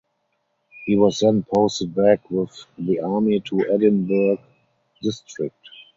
He was then posted back with the army to Edinburgh district.